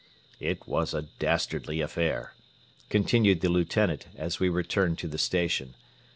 "It was a dastardly affair," continued the Lieutenant, as we returned to the station.